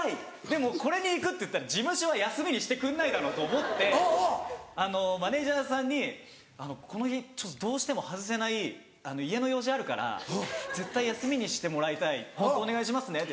でもこれに行くって言ったら事務所は休みにしてくれないだろうと思ってマネジャーさんに「この日ちょっとどうしても外せない家の用事あるから絶対休みにしてもらいたいホントお願いしますね」。